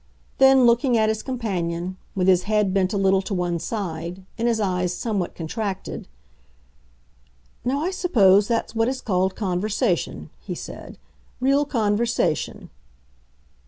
Then, looking at his companion, with his head bent a little to one side and his eyes somewhat contracted, "Now I suppose that's what is called conversation," he said; "real conversation."